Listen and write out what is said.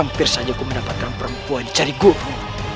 hampir saja aku mendapatkan perempuan cari guruku